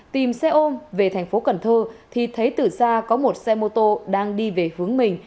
tìm xe ôm về thành phố cần thơ thì thấy tử ra có một xe mô tô đang đi về hướng mình